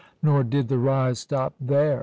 Nor did the rise stop there. M.